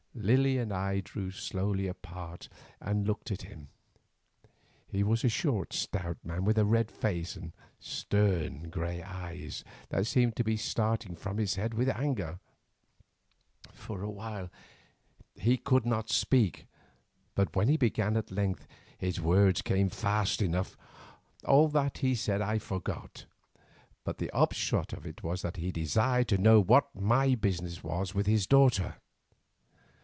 Lily and I drew slowly apart and looked at him. He was a short stout man, with a red face and stern grey eyes, that seemed to be starting from his head with anger. For a while he could not speak, but when he began at length the words came fast enough. All that he said I forget, but the upshot of it was that he desired to know what my business was with his daughter.